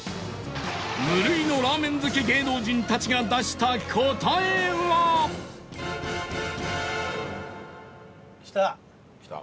無類のラーメン好き芸能人たちが出した答えはきた！